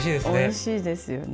おいしいですよね。